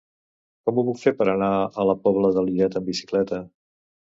Com ho puc fer per anar a la Pobla de Lillet amb bicicleta?